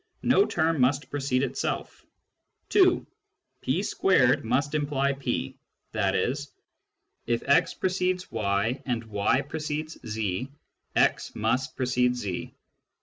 no term must precede itself. (2) P a must imply P, i.e. if x precedes y and y precedes z, x must precede z.